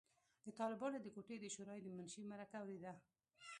د طالبانو د کوټې د شورای د منشي مرکه اورېده.